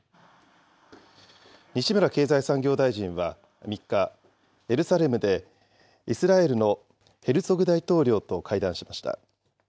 西村経済産業大臣は３日、エルサレムでイスラエルのヘルツォグ大統領と会談しました。